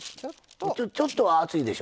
ちょっとは熱いでしょ？